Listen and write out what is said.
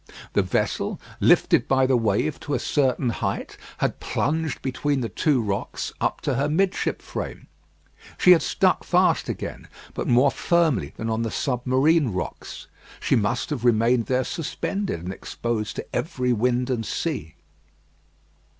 The vessel, lifted by the wave to a certain height, had plunged between the two rocks up to her midship frame. She had stuck fast again; but more firmly than on the submarine rocks. She must have remained there suspended, and exposed to every wind and sea.